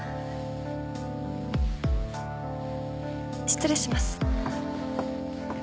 失礼します。